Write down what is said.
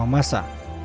di rumah masa